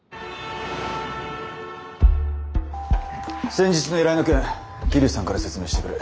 先日の依頼の件桐生さんから説明してくれ。